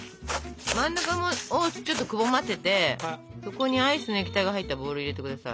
真ん中をちょっとくぼませてそこにアイスの液体が入ったボウルを入れて下さい。